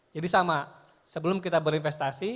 jadi sama sebelum kita berinvestasi